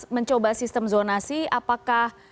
mencoba sistem zonasi apakah